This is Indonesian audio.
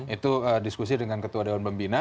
itu diskusi dengan ketua dewan pembina